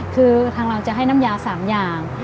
คือทางเราจะให้น้ำยา๓อย่าง